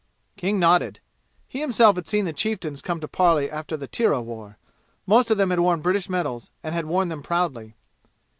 King nodded. He himself had seen the chieftains come to parley after the Tirah war. Most of them had worn British medals and had worn them proudly.